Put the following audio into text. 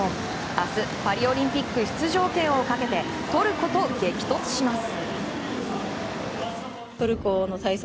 明日、パリオリンピック出場権をかけてトルコと激突します。